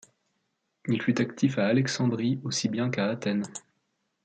Il fut actif à Alexandrie aussi bien qu'à Athènes.